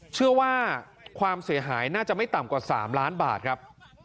เชื่อว่าความเสียหายน่าจะไม่ต่ำกว่า๓ล้านบาทครับ